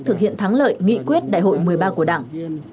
thực hiện thắng lợi nghị quyết đại hội một mươi ba của đảng